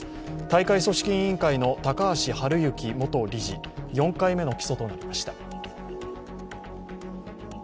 大会組織委員会の高橋治之元理事４回目の起訴となりました。